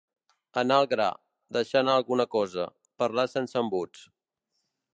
Anar al gra; deixar anar alguna cosa; parlar sense embuts.